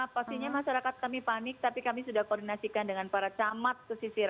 pastinya masyarakat kami panik tapi kami sudah koordinasikan dengan para camat pesisir